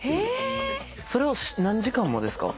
それは何時間もですか？